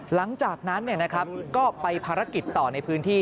หลังจากนั้นก็ไปภารกิจต่อในพื้นที่